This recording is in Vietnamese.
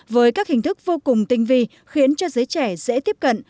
với các hình thức vô cùng tinh vi khiến cho giới trẻ dễ tiếp cận